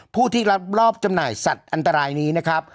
ผู้ที่รับรอบจำหน่ายสัตว์อันตรายนี้นะครับ